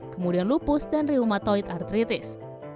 kemudian lupus dan ryumatoid artritis